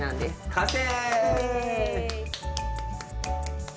完成！